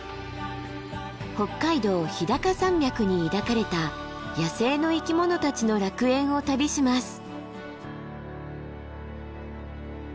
北海道日高山脈に抱かれた野生の生き物たちの楽園を旅します。